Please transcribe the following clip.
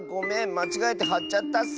まちがえてはっちゃったッス。